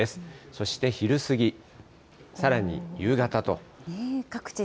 そして、昼過ぎ、さらに夕方と。